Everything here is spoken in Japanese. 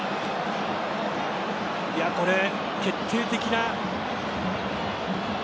これ、決定的な。